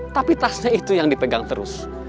tapi tasnya itu yang dipegang terus